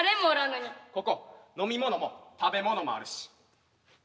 ここ飲み物も食べ物もあるし。